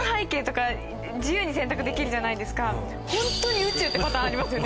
ホントに宇宙ってパターンありますよね？